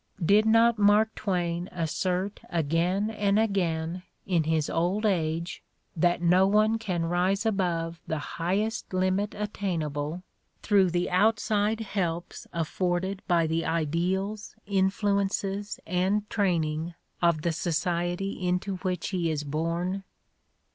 Did not Mark Twain assert again and again, in his old age, that no one can rise above the highest limit attainable through the "outside helps afforded by the ideals, influ 174 The Ordeal of Mark Twain enees, and training" of the society into which he is born?